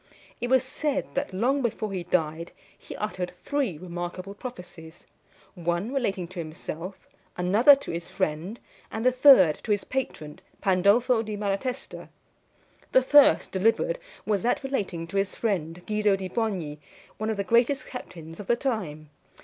It was said that, long before he died, he uttered three remarkable prophecies one relating to himself, another to his friend, and the third to his patron, Pandolfo di Malatesta. The first delivered was that relating to his friend Guido di Bogni, one of the greatest captains of the time.